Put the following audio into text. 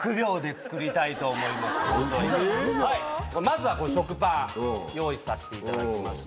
まずは食パン用意させていただきまして。